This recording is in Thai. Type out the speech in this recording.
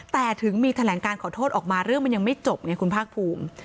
แต่ถึงมีแถลงการขอโทษออกมาเรื่องมันยังไม่จบไงคุณภาคภูมิ